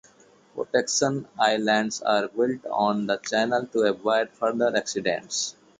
Protection islands are built on the channel to avoid further accidents.